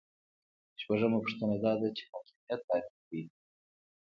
شپږمه پوښتنه دا ده چې حاکمیت تعریف کړئ.